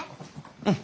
うん。